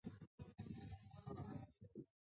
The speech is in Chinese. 绍平济纽是巴西巴拉那州的一个市镇。